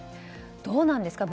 どうなんですか。